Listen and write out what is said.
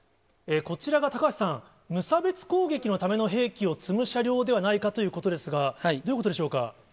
こちらが高橋さん、無差別攻撃のための兵器を積む車両ではないかということですが、どういうことでしょうか。